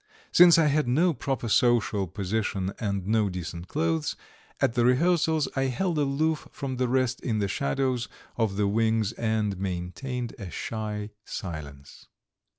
Since I had no proper social position and no decent clothes, at the rehearsals I held aloof from the rest in the shadows of the wings and maintained a shy silence.